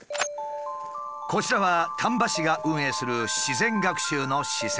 こちらは丹波市が運営する自然学習の施設。